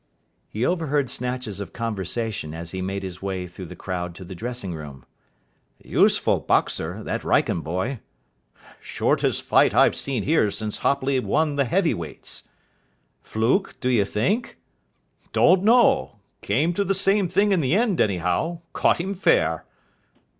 He overheard snatches of conversation as he made his way through the crowd to the dressing room. "Useful boxer, that Wrykyn boy." "Shortest fight I've seen here since Hopley won the Heavy Weights." "Fluke, do you think?" "Don't know. Came to the same thing in the end, anyhow. Caught him fair."